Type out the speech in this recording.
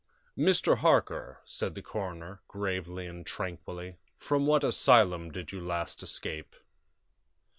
"Mr. Harker," said the coroner, gravely and tranquilly, "from what asylum did you last escape?"